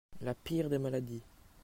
La pire des maladies.